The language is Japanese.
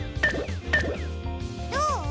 どう？